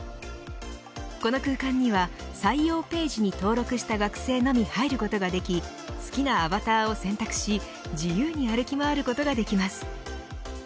この空間には採用ページに登録した学生のみ入ることができ好きなアバターを選択し自由に歩き回ることができます。